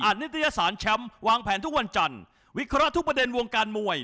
นิตยสารแชมป์วางแผนทุกวันจันทร์วิเคราะห์ทุกประเด็นวงการมวย